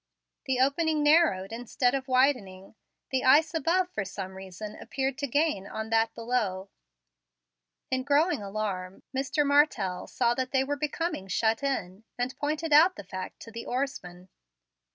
The opening narrowed instead of widening. The ice above, for some reason, appeared to gain on that below. In growing alarm, Mr. Martell saw that they were becoming shut in, and pointed out the fact to the oarsman.